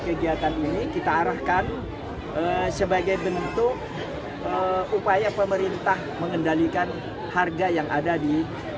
kegiatan ini kita arahkan sebagai bentuk upaya pemerintah mengendalikan harga yang ada di